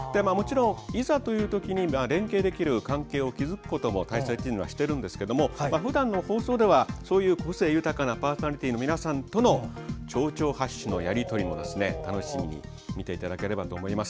いざという時に連携できる関係を築くことも大切にしているんですけどふだんの放送ではそういう個性豊かなパーソナリティーの皆さんとの丁々発止のやり取りも楽しみに見ていただければと思います。